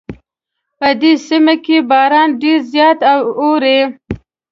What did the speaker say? په دې سیمه کې باران ډېر زیات اوري